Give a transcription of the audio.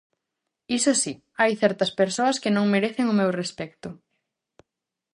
Iso si, hai certas persoas que non merecen o meu respecto.